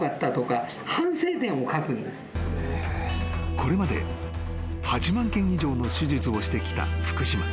［これまで８万件以上の手術をしてきた福島］